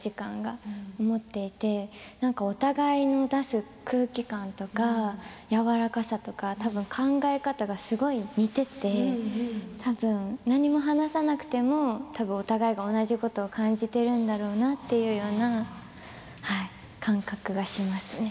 そう思っていてなんかお互い出す空気感とか柔らかさとか、多分、考え方がすごく似ていて多分、何も話さなくてもお互いが同じことを感じているんだろうなというような感覚がしますね。